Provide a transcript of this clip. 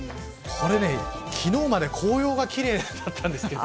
昨日まで紅葉が奇麗だったんですが。